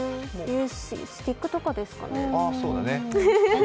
スティックとかですかね。